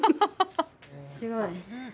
すごい。